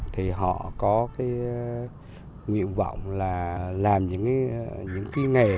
thì họ có cái nguyện vọng là làm những cái nghề